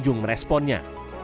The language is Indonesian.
bagaimana cara mereka meresponnya